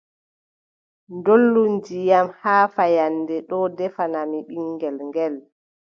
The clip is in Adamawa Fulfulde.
Dollu ndiyam haa fahannde ɗoo ndefanaami ɓiŋngel ngel,